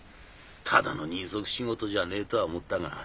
ただの人足仕事じゃねえとは思ったが。